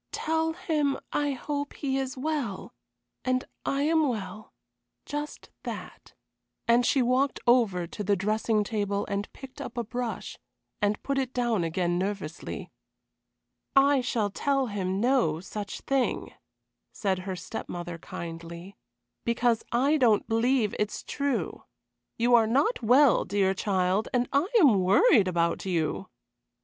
Tell him I hope he is well and I am well just that," and she walked ever to the dressing table and picked up a brush, and put it down again nervously. "I shall tell him no such thing," said her step mother, kindly, "because I don't believe it is true. You are not well, dear child, and I am worried about you."